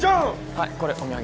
はいこれお土産。